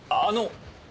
あの。